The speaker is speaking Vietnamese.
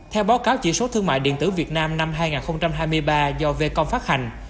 theo báo cáo chỉ số thương mại điện tử việt nam năm hai nghìn hai mươi ba do vecom phát hành